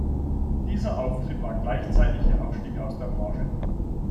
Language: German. Dieser Auftritt war gleichzeitig ihr Ausstieg aus der Branche.